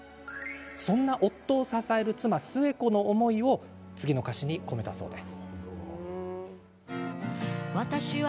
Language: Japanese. そんな夫を支える妻、寿恵子の思いを次の歌詞に込めたそうです。